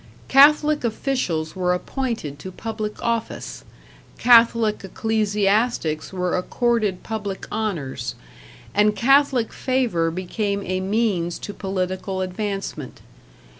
Catholic officials were appointed to public office, Catholic ecclesiastics were accorded public honors, and Catholic favor became a means to political advancement.